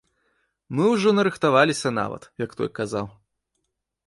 Мы ўжо нарыхтаваліся нават, як той казаў.